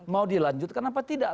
mau dilanjut kenapa tidak